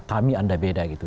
kami anda beda gitu